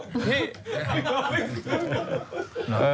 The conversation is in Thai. พี่